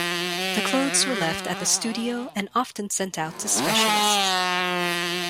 The clothes were left at the studio and often sent out to specialists.